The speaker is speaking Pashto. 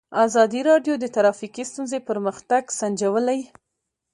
ازادي راډیو د ټرافیکي ستونزې پرمختګ سنجولی.